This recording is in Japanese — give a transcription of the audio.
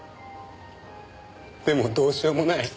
でもどうしようもない。